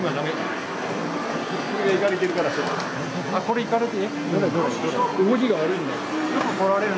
これいかれて。